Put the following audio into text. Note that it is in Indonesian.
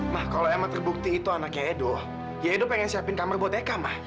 nah kalau emang terbukti itu anaknya edo ya edo pengen siapin kamar buat eka mah